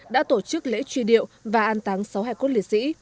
đã tổ chức lễ truy điệu và an táng sáu hải cốt liệt sĩ